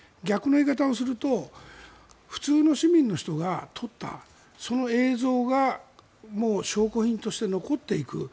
逆の言い方をすると普通の市民の人が撮ったその映像がもう証拠品として残っていく。